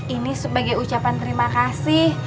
ini sebagai ucapan terima kasih